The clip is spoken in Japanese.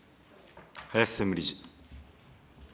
林専務理事。